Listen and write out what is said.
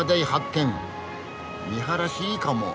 見晴らしいいかも。